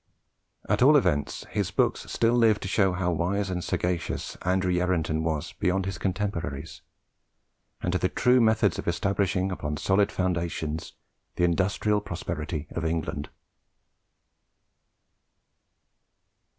At all events, his books still live to show how wise and sagacious Andrew Yarranton was beyond his contemporaries as to the true methods of establishing upon solid foundations the industrial prosperity of England.